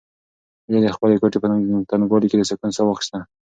هیلې د خپلې کوټې په تنګوالي کې د سکون ساه واخیسته.